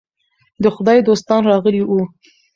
د خدای دوستان راغلي وو.